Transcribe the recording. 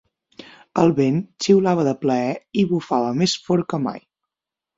El vent xiulava de plaer i bufava més fort que mai.